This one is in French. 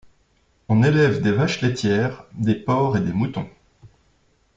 On élève des vaches laitières, des porcs et des moutons.